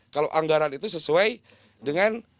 kalau anggaran itu sesuai dengan